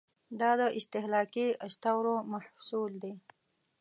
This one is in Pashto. دا د استهلاکي اسطورو محصول دی.